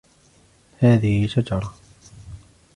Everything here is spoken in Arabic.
هذه شجرة.